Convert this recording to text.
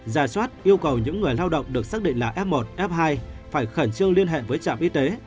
giả soát yêu cầu những người lao động được xác định là f một f hai phải khẩn trương liên hệ với trạm y tế